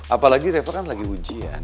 apalagi reva kan lagi ujian